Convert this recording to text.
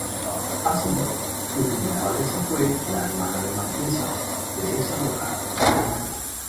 Así, su primera abadesa fue la hermana de Marquesa, Teresa de Rada.